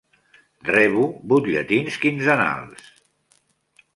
Rebo butlletins quinzenals.